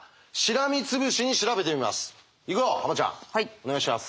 お願いします。